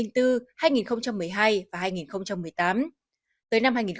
tới năm hai nghìn hai mươi một ông putin